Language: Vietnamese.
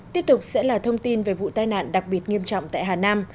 tiếp tục sẽ là thông tin về vụ tai nạn đặc biệt nghiêm trọng tại hà nam